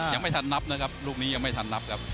ยังไม่ทันนับนะครับลูกนี้ยังไม่ทันนับครับ